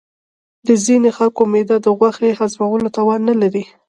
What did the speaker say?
د ځینې خلکو معده د غوښې هضمولو توان نه لري.